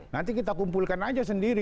nanti kita kumpulkan aja sendiri